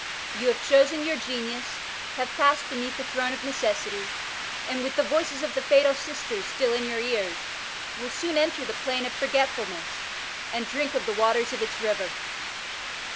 Tou have chosen your Genius, have passed beneath the Throne of Necessity, and with the voices of the htal sisters still in your ears, will soon enter the plain of Forgetfulness and drink of the waters of its river.